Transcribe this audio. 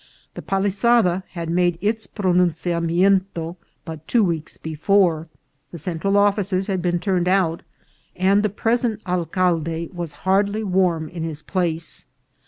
The Palisada had made ijs pronunciamento but two weeks before, the Central officers had been turned out, and the present alcalde was hardly warm in his place.